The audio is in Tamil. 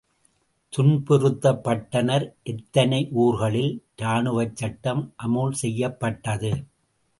துன்புறுத்தப்பட்டனர் எத்தனை ஊர்களில் ராணுவச்சட்டம் அமுல் செய்யப்பட்டது.